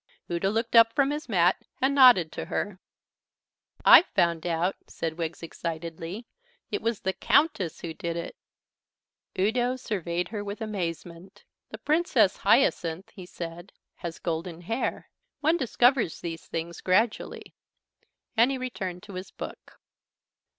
Udo looked up from his mat and nodded to her. "I've found out," said Wiggs excitedly; "it was the Countess who did it." Udo surveyed her with amazement. "The Princess Hyacinth," he said, "has golden hair. One discovers these things gradually." And he returned to his book.